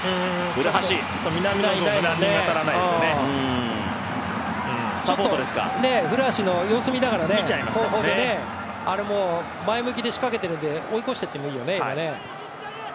古橋も様子見ながらね、後方でね、あれも前向きで仕掛けているので追い越していってもいいよね。